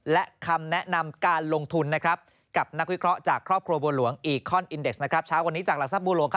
และคำแนะนำการลงทุนนะครับกับนักคุยเคราะห์จากครอบครัวบัวหลวง